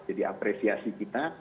jadi apresiasi kita